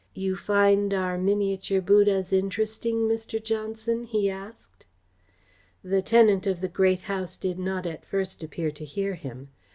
"You find our miniature Buddhas interesting, Mr. Johnson?" he asked. The tenant of the Great House did not at first appear to hear him.